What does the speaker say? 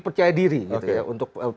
percaya diri untuk